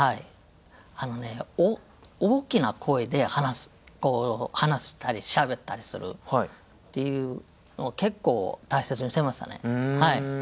あのね大きな声で話したりしゃべったりするっていうのを結構大切にしてましたね。